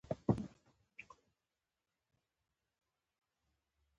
پلار يې نازنين ته وويل